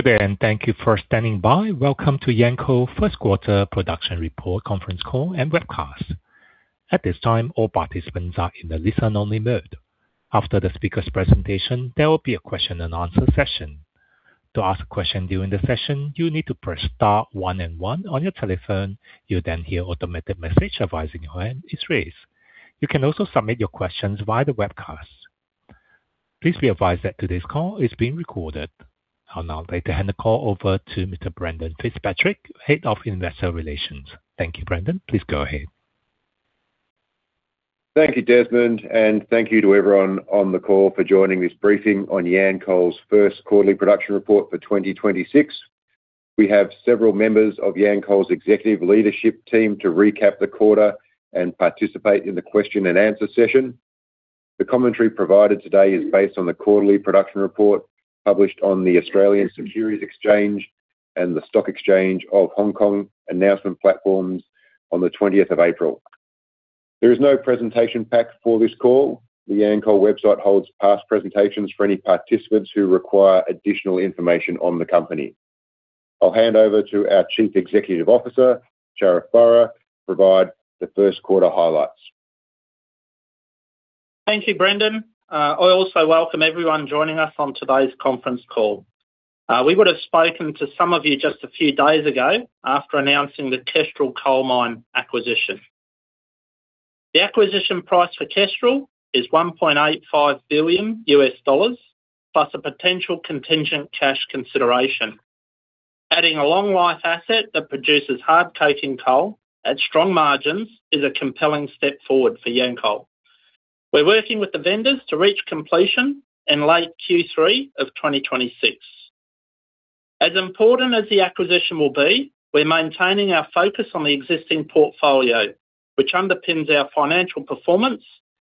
Good day and thank you for standing by. Welcome to Yancoal First Quarter Production Report Conference Call and Webcast. At this time, all participants are in the listen-only mode. After the speaker's presentation, there will be a question and answer session. To ask a question during the session, you need to press star one and one on your telephone. You'll then hear automated message advising your hand is raised. You can also submit your questions via the webcast. Please be advised that today's call is being recorded. I'll now like to hand the call over to Mr. Brendan Fitzpatrick, Head of Investor Relations. Thank you, Brendan. Please go ahead. Thank you, Desmond, and thank you to everyone on the call for joining this briefing on Yancoal's first quarterly production report for 2026. We have several members of Yancoal's executive leadership team to recap the quarter and participate in the question and answer session. The commentary provided today is based on the quarterly production report published on the Australian Securities Exchange and the Stock Exchange of Hong Kong announcement platforms on the 20th of April. There is no presentation pack for this call. The Yancoal website holds past presentations for any participants who require additional information on the company. I'll hand over to our Chief Executive Officer, Sharif Burra, to provide the first quarter highlights. Thank you, Brendan. I also welcome everyone joining us on today's conference call. We would have spoken to some of you just a few days ago after announcing the Kestrel Coal Mine acquisition. The acquisition price for Kestrel is $1.85 billion plus a potential contingent cash consideration. Adding a long life asset that produces hard coking coal at strong margins is a compelling step forward for Yancoal. We're working with the vendors to reach completion in late Q3 of 2026. As important as the acquisition will be, we're maintaining our focus on the existing portfolio, which underpins our financial performance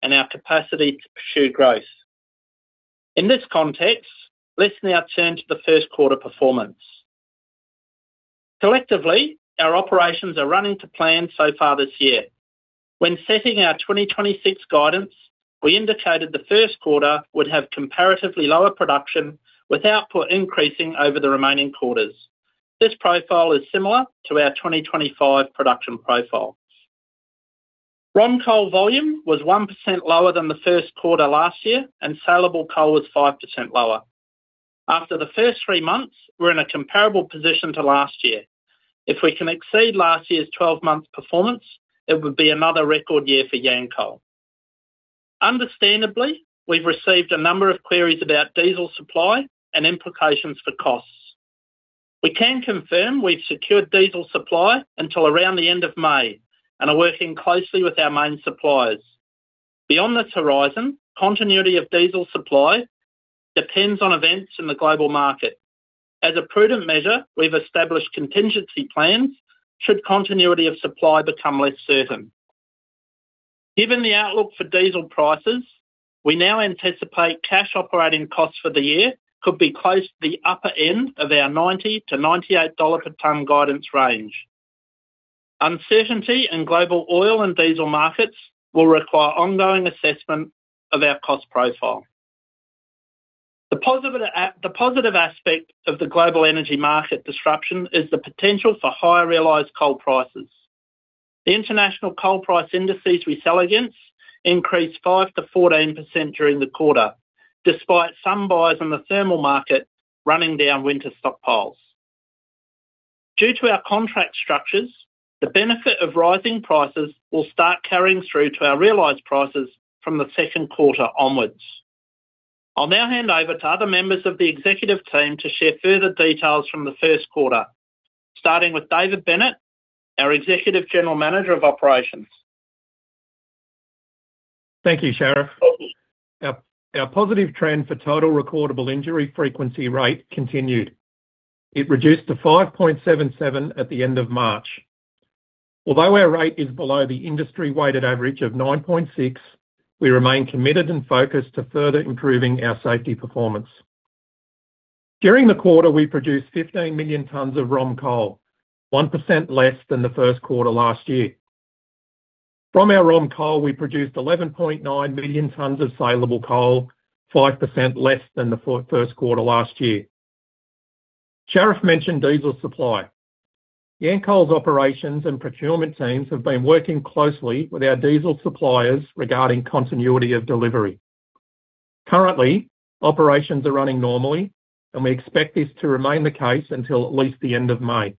and our capacity to pursue growth. In this context, let's now turn to the first quarter performance. Collectively, our operations are running to plan so far this year. When setting our 2026 guidance, we indicated the first quarter would have comparatively lower production with output increasing over the remaining quarters. This profile is similar to our 2025 production profile. Run-of-mine coal volume was 1% lower than the first quarter last year, and saleable coal was 5% lower. After the first three months, we're in a comparable position to last year. If we can exceed last year's 12-month performance, it would be another record year for Yancoal. Understandably, we've received a number of queries about diesel supply and implications for costs. We can confirm we've secured diesel supply until around the end of May and are working closely with our main suppliers. Beyond this horizon, continuity of diesel supply depends on events in the global market. As a prudent measure, we've established contingency plans should continuity of supply become less certain. Given the outlook for diesel prices, we now anticipate cash operating costs for the year could be close to the upper end of our 90-98 dollar per ton guidance range. Uncertainty in global oil and diesel markets will require ongoing assessment of our cost profile. The positive aspect of the global energy market disruption is the potential for higher realized coal prices. The international coal price indices we sell against increased 5%-14% during the quarter, despite some buyers in the thermal market running down winter stockpiles. Due to our contract structures, the benefit of rising prices will start carrying through to our realized prices from the second quarter onwards. I'll now hand over to other members of the executive team to share further details from the first quarter, starting with David Bennett, our Executive General Manager of Operations. Thank you, Sharif. Our positive trend for total recordable injury frequency rate continued. It reduced to 5.77 at the end of March. Although our rate is below the industry weighted average of 9.6, we remain committed and focused to further improving our safety performance. During the quarter, we produced 15 million tons of ROM coal, 1% less than the first quarter last year. From our ROM coal, we produced 11.9 million tons of saleable coal, 5% less than the first quarter last year. Sharif mentioned diesel supply. Yancoal's operations and procurement teams have been working closely with our diesel suppliers regarding continuity of delivery. Currently, operations are running normally, and we expect this to remain the case until at least the end of May.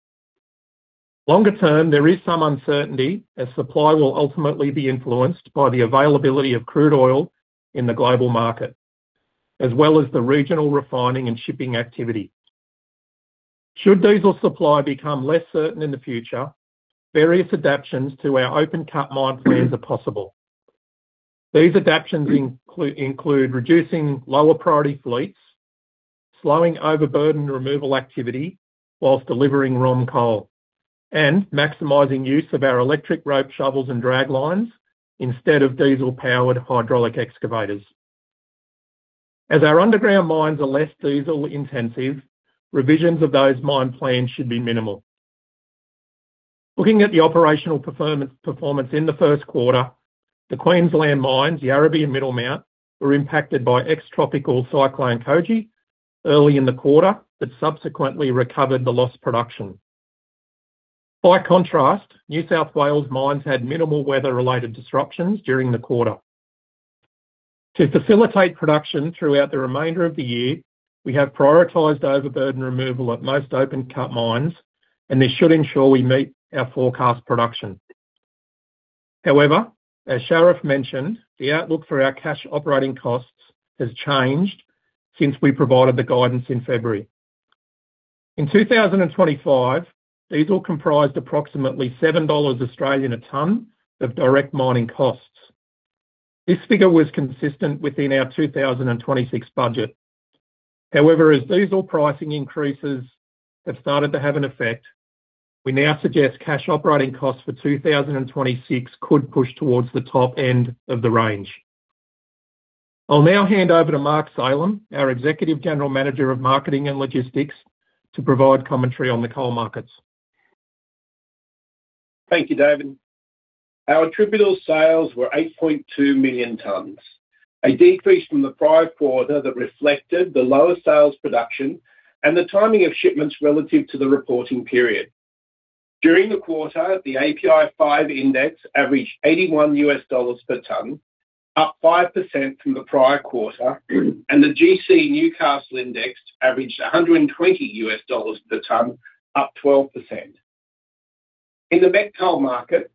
Longer term, there is some uncertainty as supply will ultimately be influenced by the availability of crude oil in the global market, as well as the regional refining and shipping activity. Should diesel supply become less certain in the future, various adaptations to our open-cut mine plans are possible. These adaptations include reducing lower priority fleets, slowing overburden removal activity while delivering ROM coal, and maximizing use of our electric rope shovels and draglines instead of diesel-powered hydraulic excavators. As our underground mines are less diesel-intensive, revisions of those mine plans should be minimal. Looking at the operational performance in the first quarter, the Queensland mines, Yarrabee and Middlemount, were impacted by ex-tropical cyclone Koji early in the quarter, but subsequently recovered the lost production. By contrast, New South Wales mines had minimal weather-related disruptions during the quarter. To facilitate production throughout the remainder of the year, we have prioritized overburden removal at most open cut mines, and this should ensure we meet our forecast production. However, as Sharif mentioned, the outlook for our cash operating costs has changed since we provided the guidance in February. In 2025, diesel comprised approximately 7 Australian dollars a ton of direct mining costs. This figure was consistent within our 2026 budget. However, as diesel pricing increases have started to have an effect, we now suggest cash operating costs for 2026 could push towards the top end of the range. I'll now hand over to Mark Salem, our Executive General Manager of Marketing and Logistics, to provide commentary on the coal markets. Thank you, David. Our attributable sales were 8.2 million tons, a decrease from the prior quarter that reflected the lower sales production and the timing of shipments relative to the reporting period. During the quarter, the API5 index averaged $81 per ton, up 5% from the prior quarter, and the gC Newcastle index averaged $120 per ton, up 12%. In the met coal market,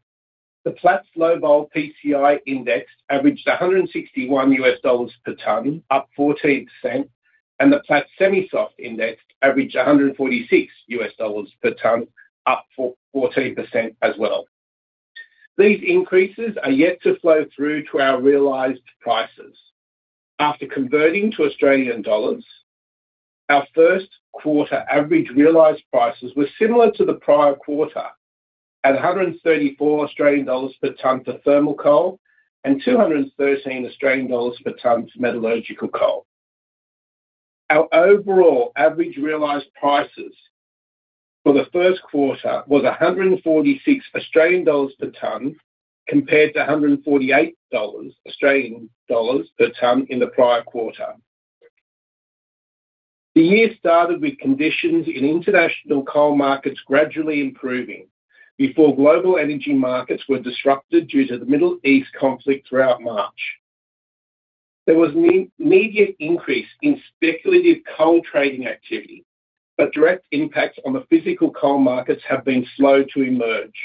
the Platts Low Vol PCI index averaged $161 per ton, up 14%, and the Platts semi-soft index averaged $146 per ton, up 14% as well. These increases are yet to flow through to our realized prices. After converting to Australian dollars, our first quarter average realized prices were similar to the prior quarter at 134 Australian dollars per ton for thermal coal and 213 Australian dollars per ton for metallurgical coal. Our overall average realized prices for the first quarter was 146 Australian dollars per ton, compared to 148 Australian dollars per ton in the prior quarter. The year started with conditions in international coal markets gradually improving before global energy markets were disrupted due to the Middle East conflict throughout March. There was an immediate increase in speculative coal trading activity, but direct impacts on the physical coal markets have been slow to emerge.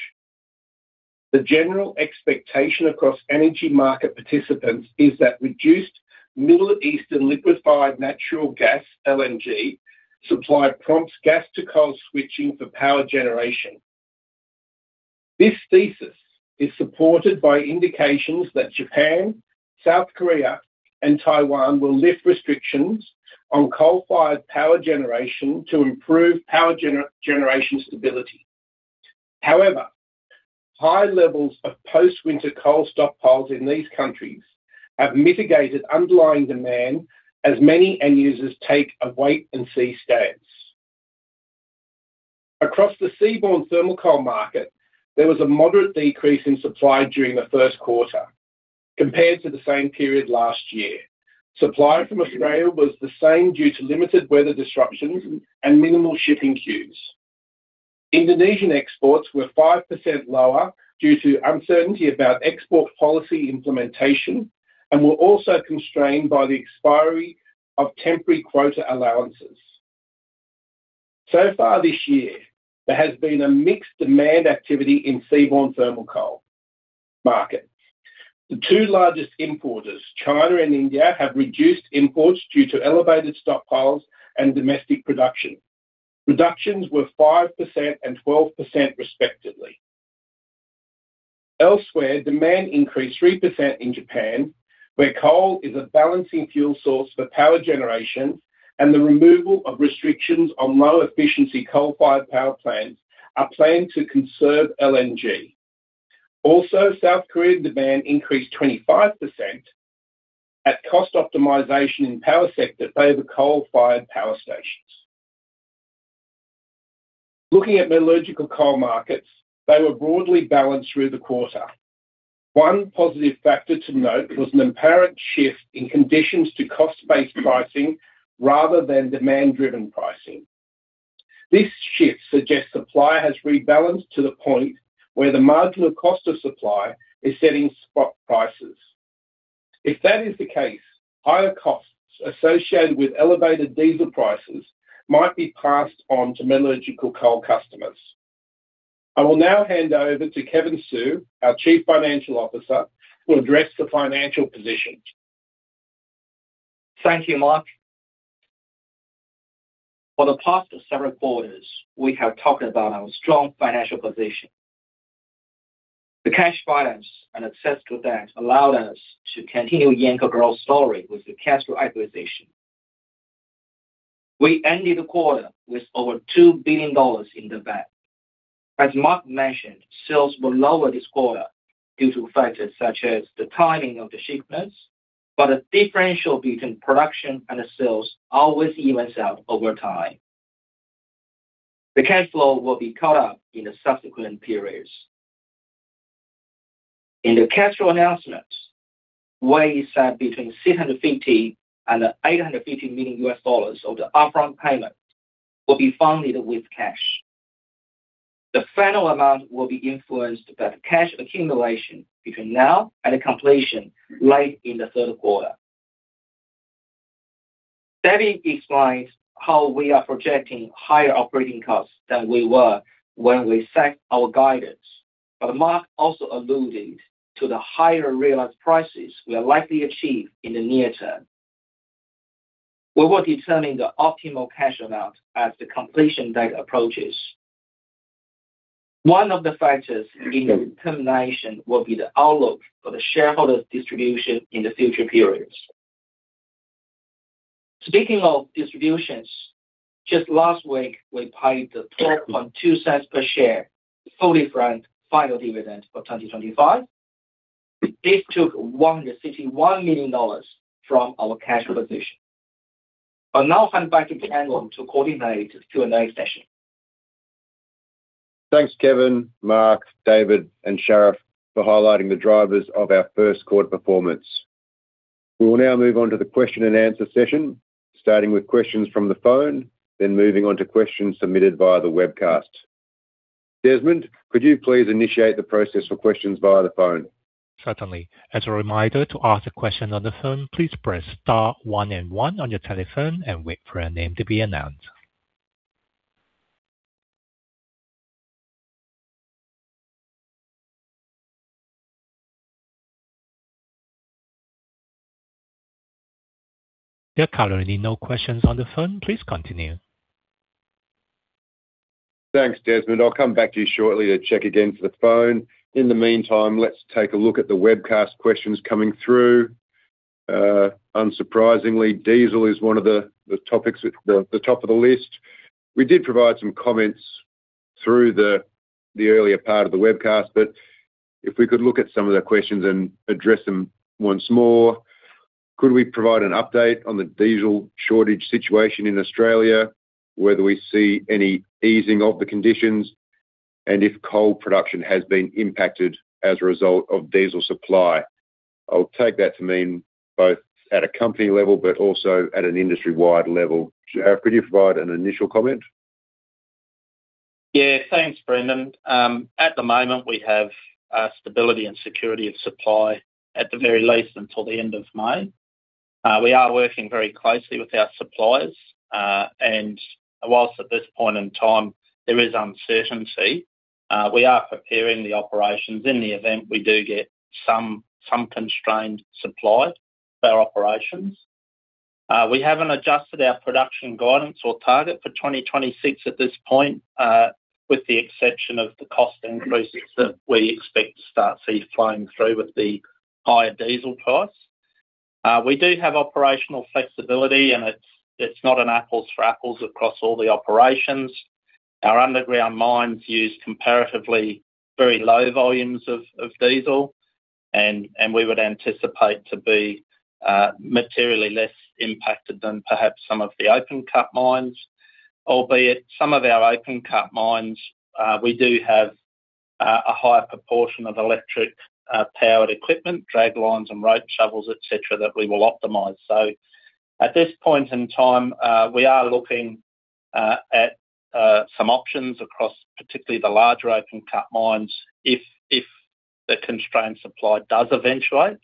The general expectation across energy market participants is that reduced Middle Eastern liquefied natural gas, LNG, supply prompts gas to coal switching for power generation. This thesis is supported by indications that Japan, South Korea, and Taiwan will lift restrictions on coal-fired power generation to improve power generation stability. However, high levels of post-winter coal stockpiles in these countries have mitigated underlying demand as many end users take a wait and see stance. Across the seaborne thermal coal market, there was a moderate decrease in supply during the first quarter compared to the same period last year. Supply from Australia was the same due to limited weather disruptions and minimal shipping queues. Indonesian exports were 5% lower due to uncertainty about export policy implementation and were also constrained by the expiry of temporary quota allowances. So far this year, there has been a mixed demand activity in seaborne thermal coal market. The two largest importers, China and India, have reduced imports due to elevated stockpiles and domestic production. Reductions were 5% and 12% respectively. Elsewhere, demand increased 3% in Japan, where coal is a balancing fuel source for power generation and the removal of restrictions on low-efficiency coal-fired power plants is planned to conserve LNG. Also, South Korean demand increased 25% due to cost optimization in the power sector favoring coal-fired power stations. Looking at Metallurgical coal markets, they were broadly balanced through the quarter. One positive factor to note was an apparent shift in conditions to cost-based pricing rather than demand-driven pricing. This shift suggests supply has rebalanced to the point where the marginal cost of supply is setting spot prices. If that is the case, higher costs associated with elevated diesel prices might be passed on to Metallurgical coal customers. I will now hand over to Kevin Su, our Chief Financial Officer, who will address the financial position. Thank you, Mark. For the past several quarters, we have talked about our strong financial position. The cash balance and access to debt allowed us to continue Yancoal growth story with the Kestrel acquisition. We ended the quarter with over 2 billion dollars in the bank. As Mark mentioned, sales were lower this quarter due to factors such as the timing of the shipments, but the differential between production and sales always evens out over time. The cash flow will be caught up in the subsequent periods. In the cash flow announcement, we said between $650 million and $850 million of the upfront payment will be funded with cash. The final amount will be influenced by the cash accumulation between now and the completion late in the third quarter. David explained how we are projecting higher operating costs than we were when we set our guidance. Mark also alluded to the higher realized prices we are likely to achieve in the near term. We will determine the optimal cash amount as the completion date approaches. One of the factors in the determination will be the outlook for the shareholder distribution in the future periods. Speaking of distributions, just last week we paid the 0.122 per share, fully franked final dividend for 2025. This took 151 million dollars from our cash position. I'll now hand back to Brendan to coordinate the Q&A session. Thanks Kevin, Mark, David, and Sharif for highlighting the drivers of our first quarter performance. We will now move on to the question and answer session, starting with questions from the phone, then moving on to questions submitted via the webcast. Desmond, could you please initiate the process for questions via the phone? Certainly. As a reminder to ask a question on the phone, please press star one and one on your telephone and wait for your name to be announced. There are currently no questions on the phone. Please continue. Thanks, Desmond. I'll come back to you shortly to check again for the phone. In the meantime, let's take a look at the webcast questions coming through. Unsurprisingly, diesel is one of the topics at the top of the list. We did provide some comments through the earlier part of the webcast, but if we could look at some of the questions and address them once more. Could we provide an update on the diesel shortage situation in Australia, whether we see any easing of the conditions, and if coal production has been impacted as a result of diesel supply? I'll take that to mean both at a company level, but also at an industry-wide level. Sharif, could you provide an initial comment? Yeah. Thanks, Brendan. At the moment, we have stability and security of supply at the very least until the end of May. We are working very closely with our suppliers, and while at this point in time there is uncertainty, we are preparing the operations in the event we do get some constrained supply of our operations. We haven't adjusted our production guidance or target for 2026 at this point, with the exception of the cost increases that we expect to start to see flowing through with the higher diesel price. We do have operational flexibility and it's not an apples for apples across all the operations. Our underground mines use comparatively very low volumes of diesel and we would anticipate to be materially less impacted than perhaps some of the open cut mines. Albeit some of our open cut mines, we do have a higher proportion of electric powered equipment, draglines and rope shovels, et cetera, that we will optimize. At this point in time, we are looking at some options across particularly the larger open cut mines if the constrained supply does eventuate.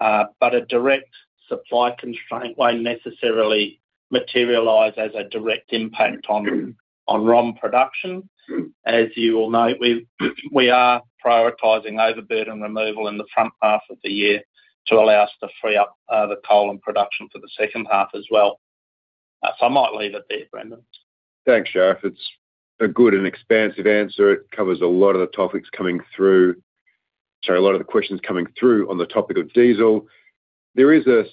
A direct supply constraint won't necessarily materialize as a direct impact on ROM production. As you all know, we are prioritizing overburden removal in the front half of the year to allow us to free up the coal and production for the second half as well. I might leave it there, Brendan. Thanks, Sharif. It's a good and expansive answer. It covers a lot of the topics coming through. Sorry, a lot of the questions coming through on the topic of diesel. There is a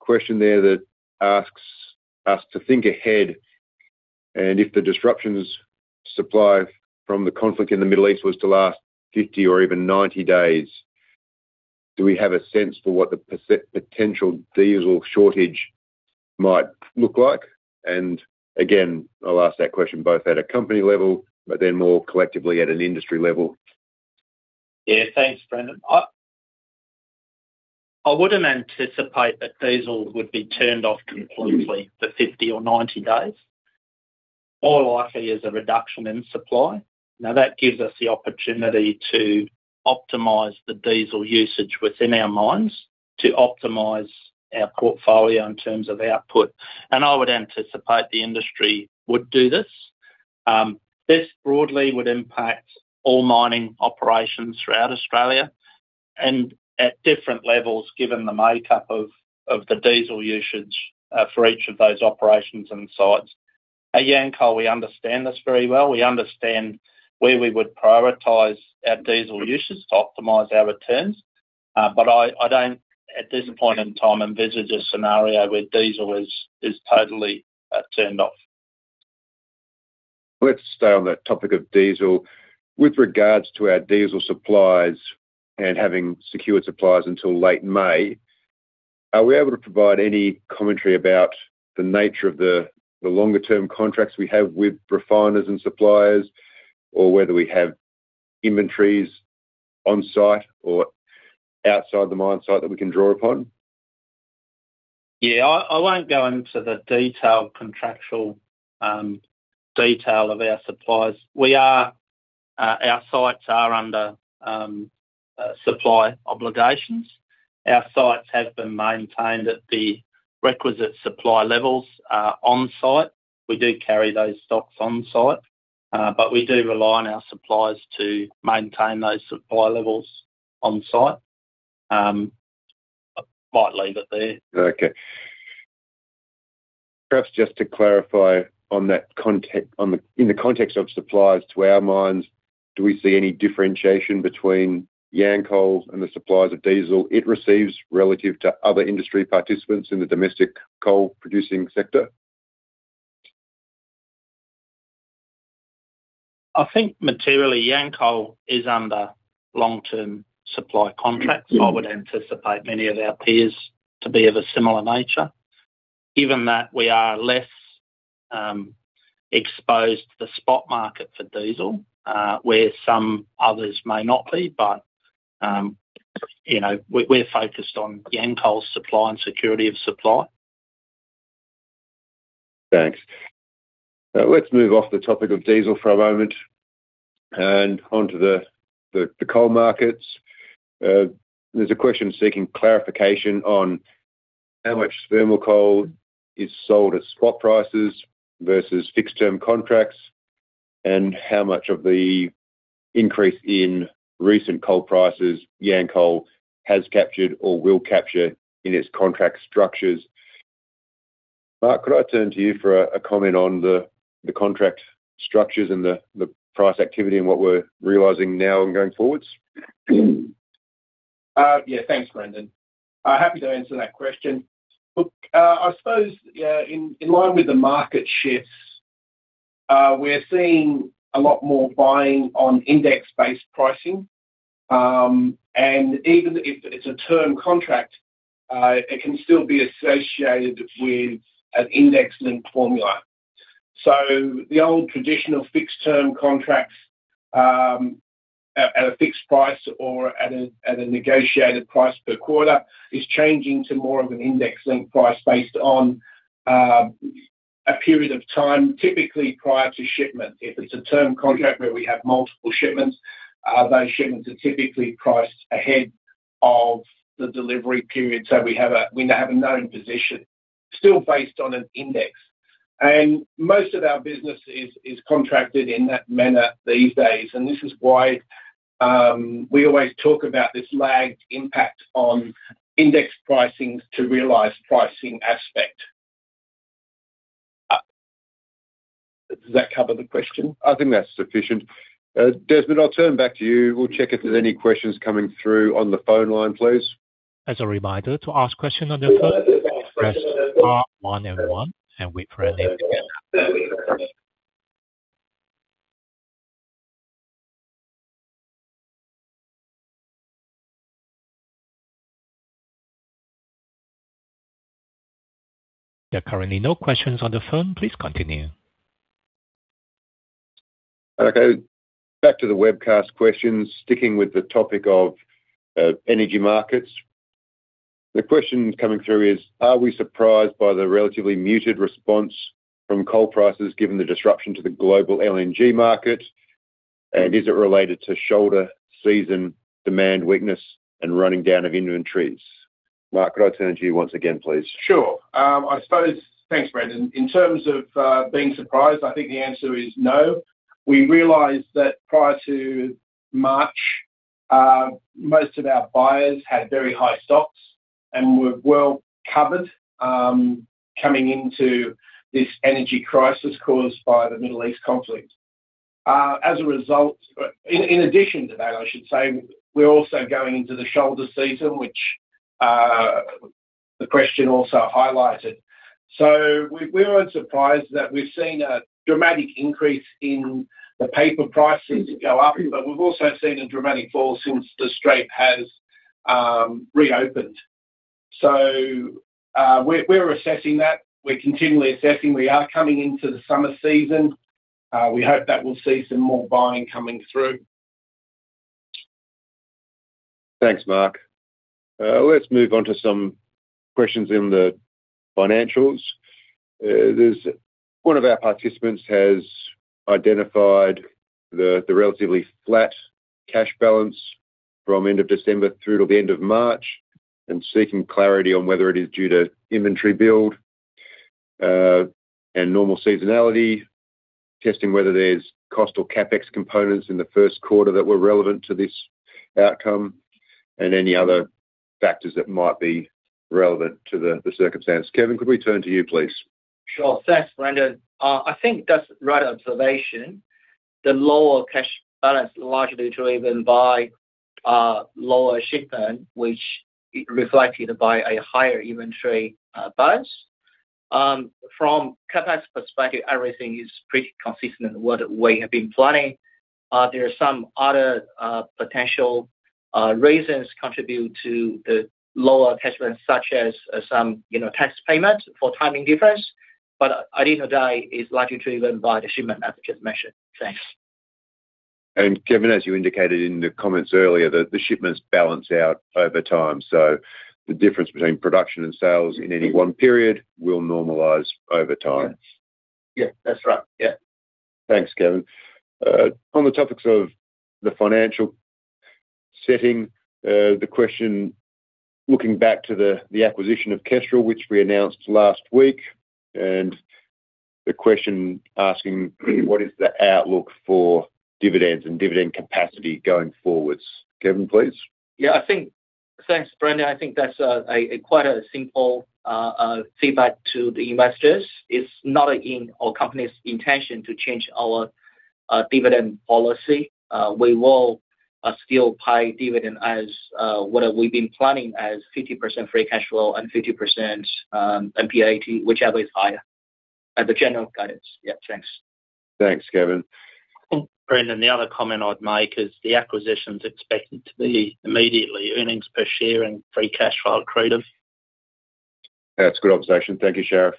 question there that asks us to think ahead, and if the disruptions to supply from the conflict in the Middle East was to last 50 or even 90 days, do we have a sense for what the potential diesel shortage might look like? Again, I'll ask that question both at a company level, but then more collectively at an industry level. Yeah. Thanks, Brendan. I wouldn't anticipate that diesel would be turned off completely for 50 or 90 days. More likely is a reduction in supply. Now, that gives us the opportunity to optimize the diesel usage within our mines to optimize our portfolio in terms of output. I would anticipate the industry would do this. This broadly would impact all mining operations throughout Australia and at different levels, given the makeup of the diesel usage for each of those operations and sites. At Yancoal, we understand this very well. We understand where we would prioritize our diesel usage to optimize our returns. But I don't, at this point in time, envisage a scenario where diesel is totally turned off. Let's stay on that topic of diesel. With regards to our diesel supplies and having secured supplies until late May, are we able to provide any commentary about the nature of the longer-term contracts we have with refiners and suppliers, or whether we have inventories on-site or outside the mine site that we can draw upon? Yeah. I won't go into the detailed contractual detail of our suppliers. Our sites are under supply obligations. Our sites have been maintained at the requisite supply levels on-site. We do carry those stocks on-site, but we do rely on our suppliers to maintain those supply levels on-site. I might leave it there. Okay. Perhaps just to clarify, in the context of suppliers to our mines, do we see any differentiation between Yancoal and the suppliers of diesel it receives relative to other industry participants in the domestic coal producing sector? I think materially, Yancoal is under long-term supply contracts. I would anticipate many of our peers to be of a similar nature, given that we are less exposed to the spot market for diesel, where some others may not be. We're focused on Yancoal's supply and security of supply. Thanks. Let's move off the topic of diesel for a moment and onto the coal markets. There's a question seeking clarification on how much thermal coal is sold at spot prices versus fixed-term contracts, and how much of the increase in recent coal prices Yancoal has captured or will capture in its contract structures. Mark, could I turn to you for a comment on the contract structures and the price activity, and what we're realizing now and going forward? Yeah. Thanks, Brendan. Happy to answer that question. Look, I suppose, in line with the market shifts, we're seeing a lot more buying on index-based pricing, and even if it's a term contract, it can still be associated with an index-linked formula. The old traditional fixed-term contracts at a fixed price or at a negotiated price per quarter is changing to more of an index-linked price based on a period of time, typically prior to shipment. If it's a term contract where we have multiple shipments, those shipments are typically priced ahead of the delivery period, so we have a known position, still based on an index. Most of our business is contracted in that manner these days, and this is why we always talk about this lagged impact on index pricing to realized pricing aspect. Does that cover the question? I think that's sufficient. Desmond, I'll turn back to you. We'll check if there's any questions coming through on the phone line, please. As a reminder, to ask question on the phone, press star one and one, and we currently have- There are currently no questions on the phone. Please continue. Okay. Back to the webcast questions. Sticking with the topic of energy markets, the question coming through is, are we surprised by the relatively muted response from coal prices given the disruption to the global LNG market, and is it related to shoulder season demand weakness and running down of inventories? Mark, could I turn to you once again, please? Sure. Thanks, Brendan. In terms of being surprised, I think the answer is no. We realized that prior to March, most of our buyers had very high stocks and were well-covered coming into this energy crisis caused by the Middle East conflict. In addition to that, I should say, we're also going into the shoulder season, which the question also highlighted. We weren't surprised that we've seen a dramatic increase in the paper prices go up, but we've also seen a dramatic fall since the Strait has reopened. We're assessing that. We're continually assessing. We are coming into the summer season. We hope that we'll see some more buying coming through. Thanks, Mark. Let's move on to some questions in the financials. One of our participants has identified the relatively flat cash balance from end of December through till the end of March and seeking clarity on whether it is due to inventory build and normal seasonality, testing whether there's cost or CapEx components in the first quarter that were relevant to this outcome, and any other factors that might be relevant to the circumstance. Kevin, could we turn to you, please? Sure. Thanks, Brendan. I think that's the right observation. The lower cash balance largely driven by lower shipment, which reflected by a higher inventory balance. From CapEx perspective, everything is pretty consistent what we have been planning. There are some other potential reasons contribute to the lower cash balance, such as some tax payment for timing difference, but at the end of the day, it's likely driven by the shipment as just mentioned. Thanks. Kevin, as you indicated in the comments earlier, the shipments balance out over time, so the difference between production and sales in any one period will normalize over time. Yeah, that's right. Yeah. Thanks, Kevin. On the topics of the financial setting, the question looking back to the acquisition of Kestrel, which we announced last week, and the question asking what is the outlook for dividends and dividend capacity going forwards? Kevin, please. Yeah, thanks, Brendan. I think that's quite a simple feedback to the investors. It's not in our company's intention to change our dividend policy. We will still pay dividend as what we've been planning as 50% free cash flow and 50% NPAT, whichever is higher. As a general guidance. Yeah, thanks. Thanks, Kevin. Brendan, the other comment I'd make is the acquisition's expected to be immediately earnings per share and free cash flow accretive. That's a good observation. Thank you, Sharif.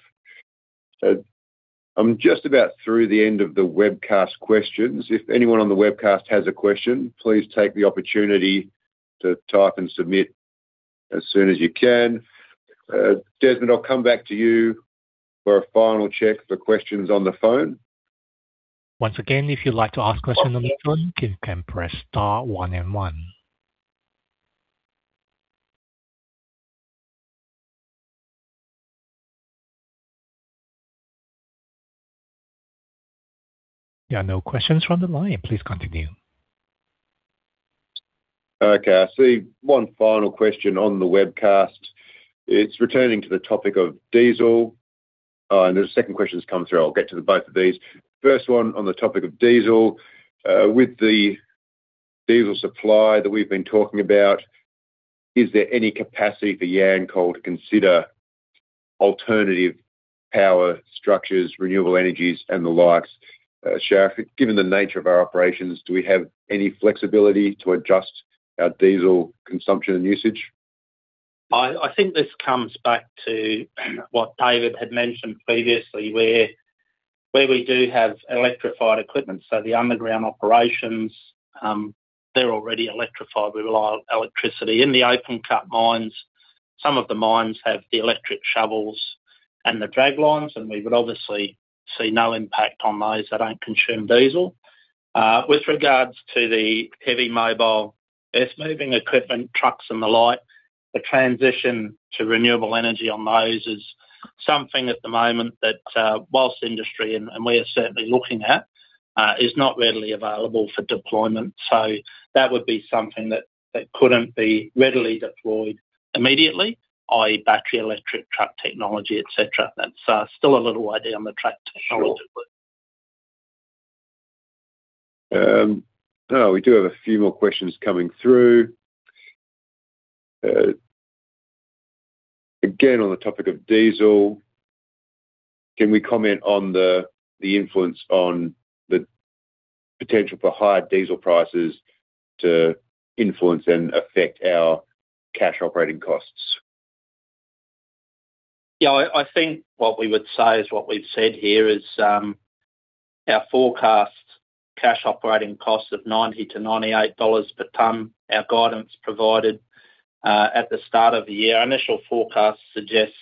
I'm just about through the end of the webcast questions. If anyone on the webcast has a question, please take the opportunity to type and submit as soon as you can. Desmond, I'll come back to you for a final check for questions on the phone. Once again, if you'd like to ask question on the phone, you can press star one and one. There are no questions from the line. Please continue. Okay, I see one final question on the webcast. It's returning to the topic of diesel. There's a second question that's come through. I'll get to both of these. First one on the topic of diesel. With the diesel supply that we've been talking about, is there any capacity for Yancoal to consider alternative power structures, renewable energies and the likes? Sharif, given the nature of our operations, do we have any flexibility to adjust our diesel consumption and usage? I think this comes back to what David had mentioned previously where we do have electrified equipment, so the underground operations, they're already electrified. We rely on electricity. In the open-cut mines, some of the mines have the electric shovels and the draglines, and we would obviously see no impact on those. They don't consume diesel. With regards to the heavy mobile earth moving equipment, trucks and the like, the transition to renewable energy on those is something at the moment that, whilst industry and we are certainly looking at, is not readily available for deployment. So that would be something that couldn't be readily deployed immediately, i.e. battery, electric truck technology, et cetera. That's still a little way down the track technologically. Sure. Now we do have a few more questions coming through. Again, on the topic of diesel, can we comment on the influence on the potential for higher diesel prices to influence and affect our cash operating costs? Yeah, I think what we would say is what we've said here is, our forecast cash operating costs of 90-98 dollars per ton, our guidance provided at the start of the year. Initial forecast suggests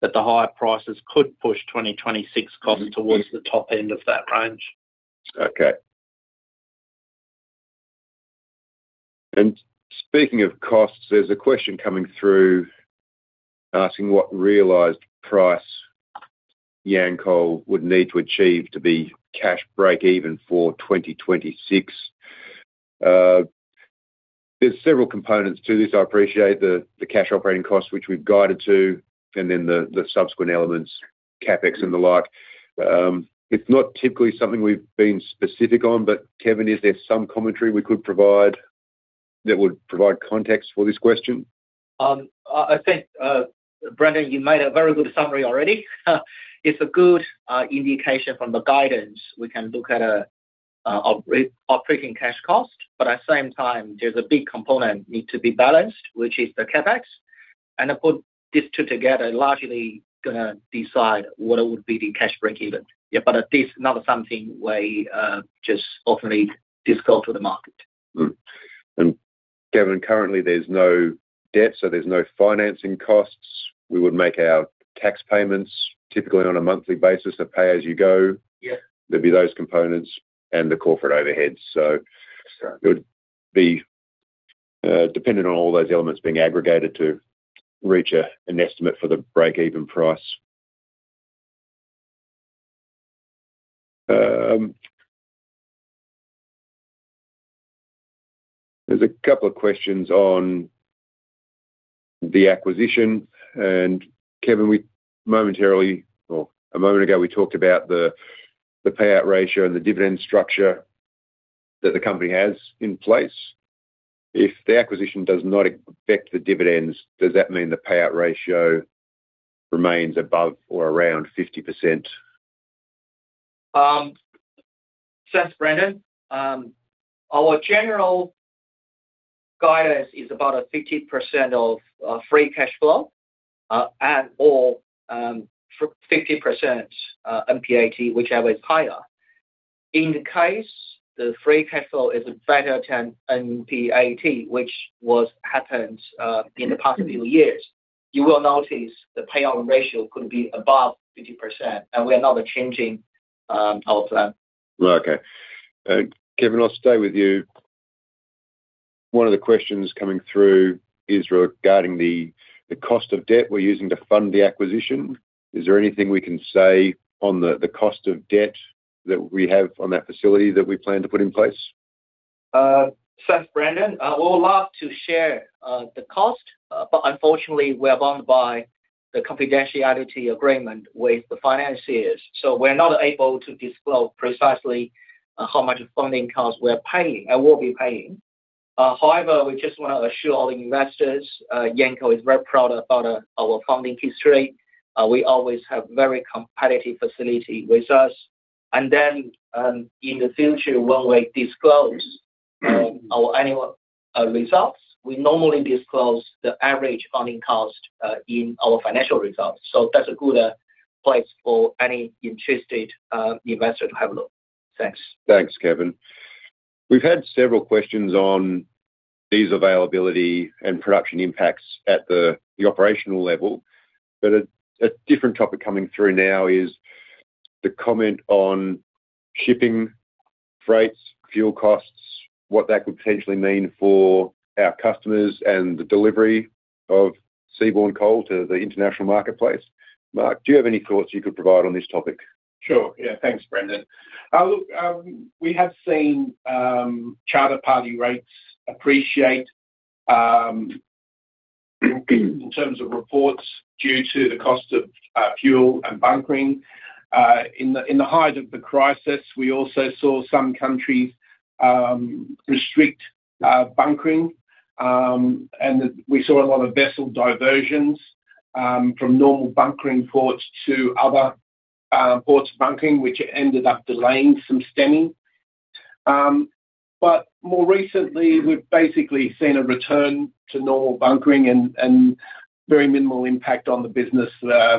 that the higher prices could push 2026 costs towards the top end of that range. Okay. Speaking of costs, there's a question coming through asking what realized price Yancoal would need to achieve to be cash breakeven for 2026. There's several components to this. I appreciate the cash operating costs which we've guided to, and then the subsequent elements, CapEx and the like. It's not typically something we've been specific on, but Kevin, is there some commentary we could provide that would provide context for this question? I think, Brendan, you made a very good summary already. It's a good indication from the guidance. We can look at operating cash cost, but at the same time, there's a big component needs to be balanced, which is the CapEx. Of course, these two together largely gonna decide what would be the cash breakeven. Yeah. This is not something we just openly discuss with the market. Kevin, currently there's no debt, so there's no financing costs. We would make our tax payments typically on a monthly basis of pay as you go. Yeah. There'd be those components and the corporate overheads. Sure. It would be dependent on all those elements being aggregated to reach an estimate for the breakeven price. There's a couple of questions on the acquisition, and Kevin, a moment ago, we talked about the payout ratio and the dividend structure that the company has in place. If the acquisition does not affect the dividends, does that mean the payout ratio remains above or around 50%? Thanks, Brendan. Our general guidance is about 50% of free cash flow and/or 50% NPAT, whichever is higher. In the case the free cash flow is better than NPAT, which has happened in the past few years, you will notice the payout ratio could be above 50%, and we are not changing our plan. Right. Okay. Kevin, I'll stay with you. One of the questions coming through is regarding the cost of debt we're using to fund the acquisition. Is there anything we can say on the cost of debt that we have on that facility that we plan to put in place? Thanks, Brendan. I would love to share the cost, but unfortunately, we're bound by the confidentiality agreement with the financiers, so we're not able to disclose precisely how much funding costs we're paying and will be paying. However, we just want to assure all investors, Yancoal is very proud about our funding history. We always have very competitive facility with us. And then, in the future, when we disclose our annual results, we normally disclose the average funding cost in our financial results. That's a good place for any interested investor to have a look. Thanks. Thanks, Kevin. We've had several questions on these availability and production impacts at the operational level, a different topic coming through now is the comment on shipping, freights, fuel costs, what that could potentially mean for our customers and the delivery of seaborne coal to the international marketplace. Mark, do you have any thoughts you could provide on this topic? Sure. Yeah. Thanks, Brendan. Look, we have seen charter party rates appreciate, in terms of reports, due to the cost of fuel and bunkering. In the height of the crisis, we also saw some countries restrict bunkering, and we saw a lot of vessel diversions from normal bunkering ports to other ports bunkering, which ended up delaying some stemming. But more recently, we've basically seen a return to normal bunkering and very minimal impact on the business.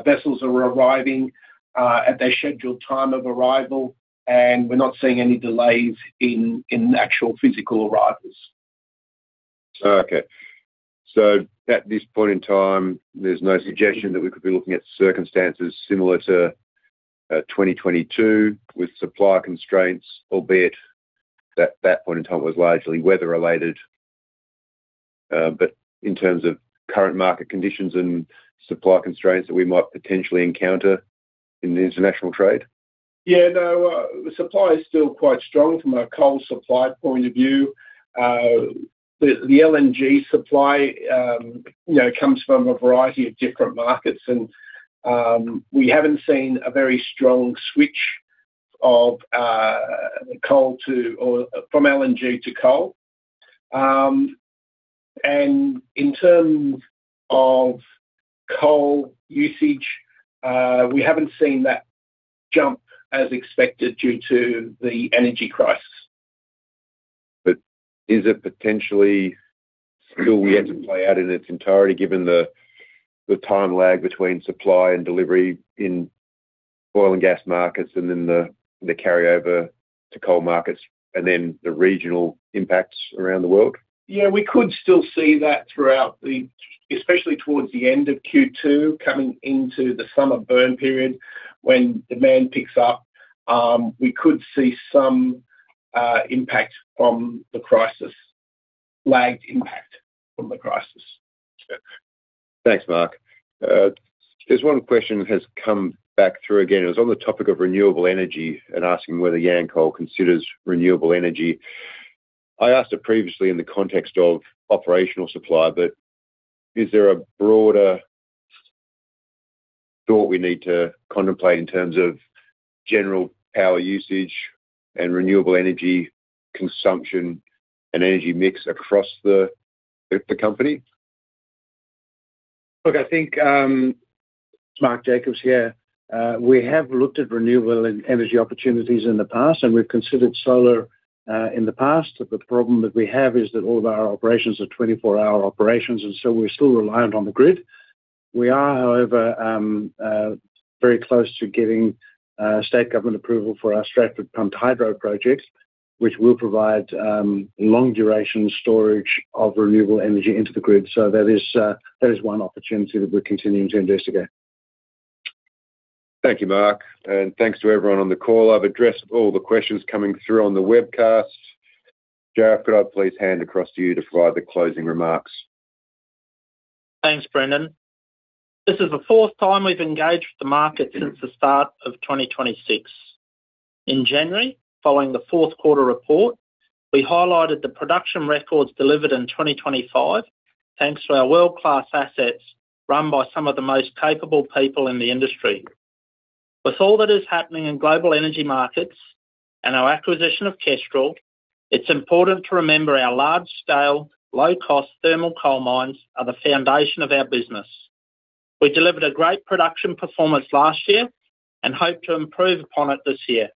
Vessels are arriving at their scheduled time of arrival, and we're not seeing any delays in actual physical arrivals. Okay. At this point in time, there's no suggestion that we could be looking at circumstances similar to 2022 with supply constraints, albeit that point in time was largely weather-related. In terms of current market conditions and supply constraints that we might potentially encounter in the international trade? Yeah, no. Supply is still quite strong from a coal supply point of view. The LNG supply comes from a variety of different markets, and we haven't seen a very strong switch from LNG to coal. In terms of coal usage, we haven't seen that jump as expected due to the energy crisis. Is it potentially still yet to play out in its entirety given the time lag between supply and delivery in oil and gas markets and then the carryover to coal markets and then the regional impacts around the world? Yeah, we could still see that throughout the, especially towards the end of Q2 coming into the summer burn period when demand picks up. We could see some impact from the crisis, lagged impact from the crisis. Sure. Thanks, Mark. There's one question that has come back through again. It was on the topic of renewable energy and asking whether Yancoal considers renewable energy. I asked it previously in the context of operational supply, but is there a broader thought we need to contemplate in terms of general power usage and renewable energy consumption and energy mix across the company? Look, I think, it's Mark Jacobs here. We have looked at renewable energy opportunities in the past, and we've considered solar in the past. The problem that we have is that all of our operations are 24-hour operations, and so we're still reliant on the grid. We are, however, very close to getting state government approval for our Stratford Pumped Hydro projects, which will provide long-duration storage of renewable energy into the grid. That is one opportunity that we're continuing to investigate. Thank you, Mark, and thanks to everyone on the call. I've addressed all the questions coming through on the webcast. Sharif Burra, could I please hand across to you to provide the closing remarks? Thanks, Brendan. This is the fourth time we've engaged with the market since the start of 2026. In January, following the fourth quarter report, we highlighted the production records delivered in 2025, thanks to our world-class assets run by some of the most capable people in the industry. With all that is happening in global energy markets and our acquisition of Kestrel, it's important to remember our large-scale, low-cost thermal coal mines are the foundation of our business. We delivered a great production performance last year and hope to improve upon it this year.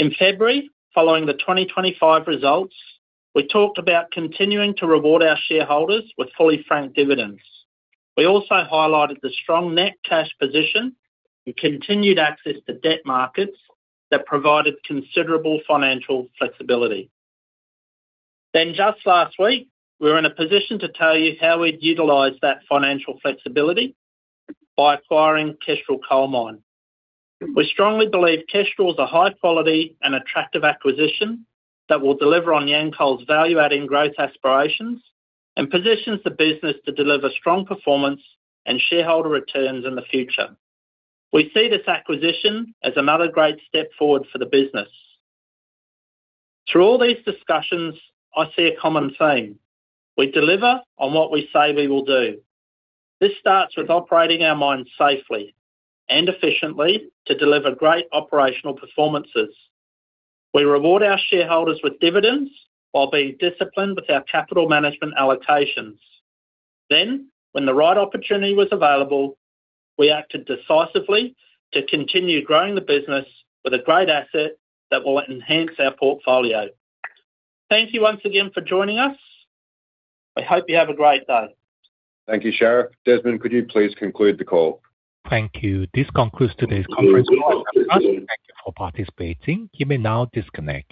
In February, following the 2025 results, we talked about continuing to reward our shareholders with fully franked dividends. We also highlighted the strong net cash position and continued access to debt markets that provided considerable financial flexibility. Just last week, we were in a position to tell you how we'd utilize that financial flexibility by acquiring Kestrel Coal Mine. We strongly believe Kestrel is a high quality and attractive acquisition that will deliver on Yancoal's value-adding growth aspirations and positions the business to deliver strong performance and shareholder returns in the future. We see this acquisition as another great step forward for the business. Through all these discussions, I see a common theme. We deliver on what we say we will do. This starts with operating our mine safely and efficiently to deliver great operational performances. We reward our shareholders with dividends while being disciplined with our capital management allocations. Then, when the right opportunity was available, we acted decisively to continue growing the business with a great asset that will enhance our portfolio. Thank you once again for joining us. I hope you have a great day. Thank you, Sharif. Desmond, could you please conclude the call? Thank you. This concludes today's conference call. Thank you for participating. You may now disconnect.